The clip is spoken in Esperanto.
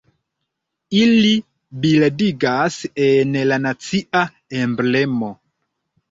Ili bildiĝas en la nacia emblemo.